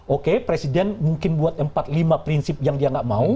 oke presiden mungkin buat empat lima prinsip yang dia nggak mau